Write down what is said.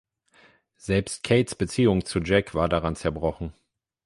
Selbst Kates Beziehung zu Jack war daran zerbrochen.